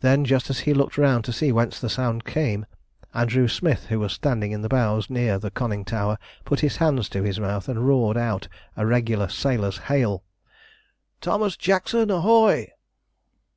Then, just as he looked round to see whence the sound came, Andrew Smith, who was standing in the bows near the conning tower, put his hands to his mouth and roared out a regular sailor's hail "Thomas Jackson, ahoy!"